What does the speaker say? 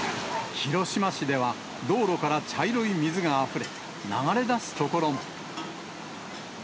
広島市では、道路から茶色い水があふれ、流れ出す所も。